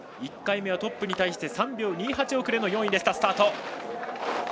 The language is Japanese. １回目はトップに対し３秒２８遅れの４位でした。